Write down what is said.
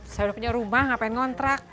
saya udah punya rumah ngapain ngontrak